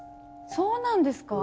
そうなんですか？